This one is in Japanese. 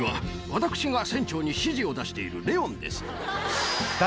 私が船長に指示を出しているレオンです。